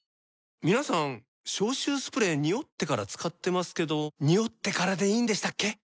皆さん消臭スプレーニオってから使ってますけどニオってからでいいんでしたっけ？